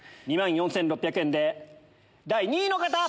２万４６００円で第２位の方！